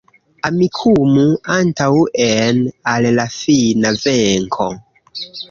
Amikumu antaŭen al la fina venko